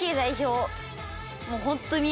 もうホントに。